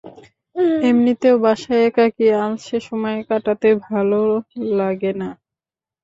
এমনিতেও বাসায় একাকী আলসে সময় কাটাতে ভালো লাগে না।